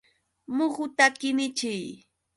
Muhuta qunichiy.